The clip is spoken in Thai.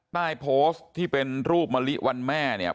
ใต้โพสต์ที่เป็นรูปมะลิวันแม่เนี่ย